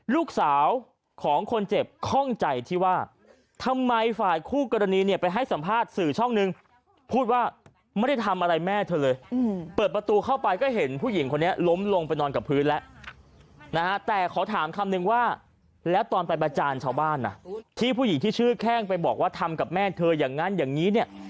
ลูกสาวของคนเจ็บข้องใจที่ว่าทำไมฝ่ายคู่กรณีเนี่ยไปให้สัมภาษณ์สื่อช่องนึงพูดว่าไม่ได้ทำอะไรแม่เธอเลยเปิดประตูเข้าไปก็เห็นผู้หญิงคนนี้ล้มลงไปนอนกับพื้นแล้วนะฮะแต่ขอถามคำนึงว่าแล้วตอนไปประจานชาวบ้านอ่ะที่ผู้หญิงที่ชื่อแข้งไปบอกว่าทำกับแม่เธออย่างนั้นอย่างนี้เนี่ย